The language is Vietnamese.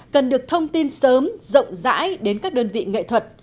cần được thông tin sớm rộng rãi đến các đơn vị nghệ thuật